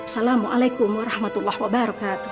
salamualaikum warahmatullah wabarakatuh